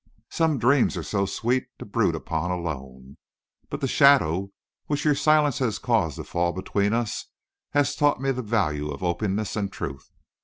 Some dreams are so sweet to brood upon alone. But the shadow which your silence has caused to fall between us has taught me the value of openness and truth.